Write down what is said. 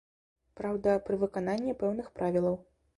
Праўда, пры выкананні пэўных правілаў.